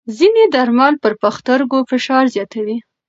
ځینې درمل پر پښتورګو فشار زیاتوي.